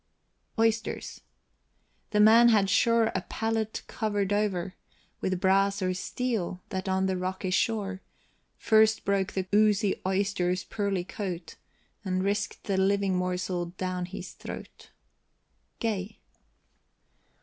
OYSTERS. The man had sure a palate cover'd o'er With brass or steel, that on the rocky shore First broke the oozy oyster's pearly coat, And risk'd the living morsel down his throat. GAY.